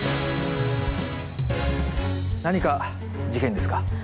何か事件ですか？